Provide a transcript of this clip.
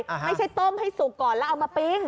ไม่ใช่ต้มให้สุกก่อนแล้วเอามาปิ้ง